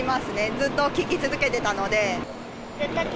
ずっと聞き続けてたので。